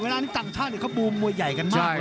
เวลานี้ต่างชาติเขาบูมมวยใหญ่กันมากเลย